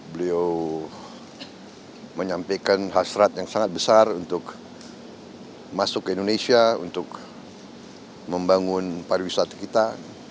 beliau menyampaikan hasrat yang sangat besar untuk masuk ke indonesia untuk membangun pariwisata kita